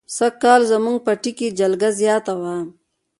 سږ کال زموږ پټي کې جلگه زیاته وه.